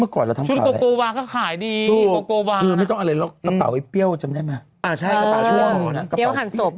อ่าใช่กระเป๋าไอ้เปรี้ยวขันสบ